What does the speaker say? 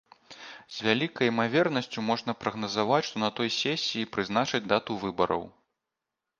З вялікай імавернасцю можна прагназаваць, што на той сесіі прызначаць дату выбараў.